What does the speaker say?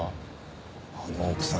あの奥さん